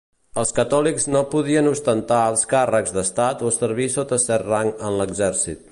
Els catòlics no podien ostentar alts càrrecs d'estat o servir sota cert rang en l'exèrcit.